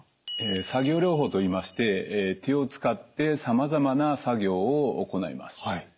作業療法といいまして手を使ってさまざまな作業を行います。